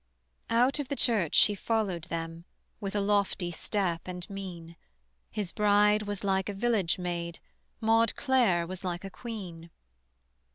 Out of the church she followed them With a lofty step and mien: His bride was like a village maid, Maude Clare was like a queen.